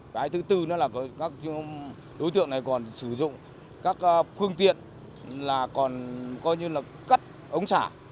cái thứ tư nữa là các đối tượng này còn sử dụng các phương tiện là còn coi như là cắt ống xả